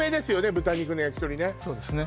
豚肉のやきとりねそうですね